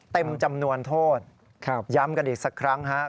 เต็มจำนวนโทษย้ำกันอีกสักครั้งฮะ